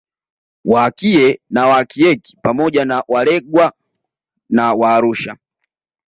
Waakie na Waakiek pamoja na Waalegwa na Waarusha